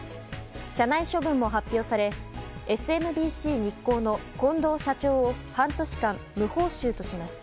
社内処分も発表されＳＭＢＣ日興の近藤社長を半年間無報酬とします。